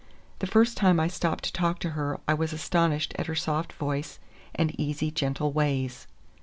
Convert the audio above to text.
The first time I stopped to talk to her, I was astonished at her soft voice and easy, gentle ways.